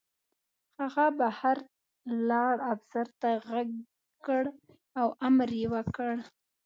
هغه بهر ولاړ افسر ته غږ کړ او امر یې وکړ